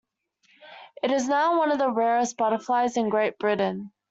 It is now one of the rarest butterflies in Great Britain.